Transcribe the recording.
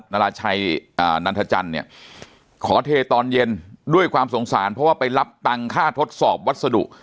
นาราชัยนันทจันทร์เนี่ยขอเทตอนเย็นด้วยความสงสารเพราะว่าไปรับตังค่าทดสอบวัสดุ